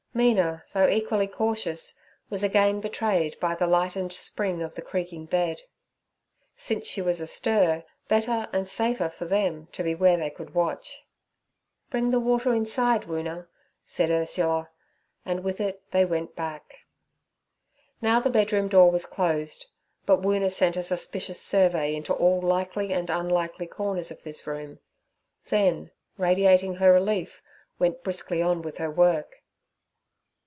Mina, though equally cautious, was again betrayed by the lightened spring of the creaking bed. Since she was astir, better and safer for them to be where they could watch. 'Bring the water inside, Woona' said Ursula, and with it they went back. Now the bedroom door was closed, but Woona sent a suspicious survey into all likely and unlikely corners of this room; then, radiating her relief, went briskly on with her work.